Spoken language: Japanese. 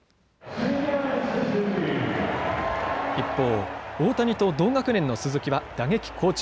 一方、大谷と同学年の鈴木は打撃好調。